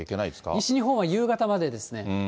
西日本は夕方までですね。